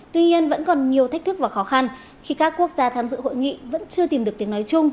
tuy nhiên vẫn còn nhiều thách thức và khó khăn khi các quốc gia tham dự hội nghị vẫn chưa tìm được tiếng nói chung